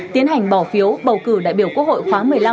tiến hành bỏ phiếu bầu cử đại biểu quốc hội khóa một mươi năm